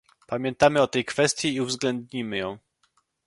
Pamiętamy o tej kwestii i uwzględnimy ją